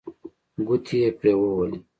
ګوتې یې پرې ووهلې.